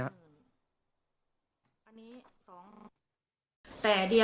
อันนี้ตอนนี้๒